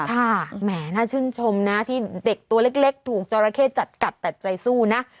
แหมน่าชื่นชมนะที่เด็กตัวเล็กถูกจอราเข้จัดกัดแต่ใจสู้นะ